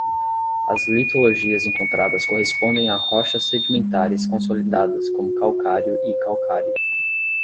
As litologias encontradas correspondem a rochas sedimentares consolidadas como calcário e calcário.